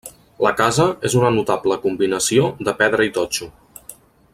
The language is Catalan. La casa és una notable combinació de pedra i totxo.